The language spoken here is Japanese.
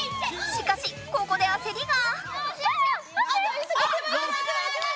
しかしここであせりが。